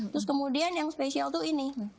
terus kemudian yang spesial tuh ini